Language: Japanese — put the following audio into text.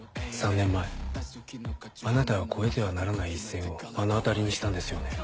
３年前あなたは越えてはならない一線を目の当たりにしたんですよね？